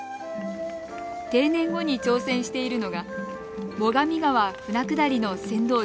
定年後に挑戦しているのが最上川舟下りの船頭です。